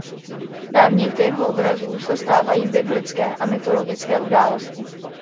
Náměty jeho obrazů se stávají biblické a mytologické události.